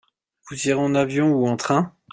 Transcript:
Vous irez en avion ou en train ?